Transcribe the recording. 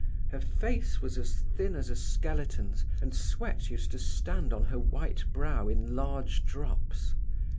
Her face was as thin as a skeleton's, and sweat used to stand on her white brow in large drops.